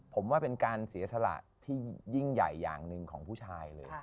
ผมว่าเป็นการเสียสละที่ยิ่งใหญ่อย่างหนึ่งของผู้ชายเลย